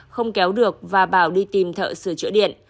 không kéo được và bảo đi tìm thợ sửa chữa điện